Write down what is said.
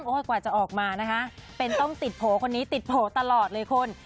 กว่าจะออกมานะคะเป็นต้องติดโผล่คนนี้ติดโผล่ตลอดเลยคุณ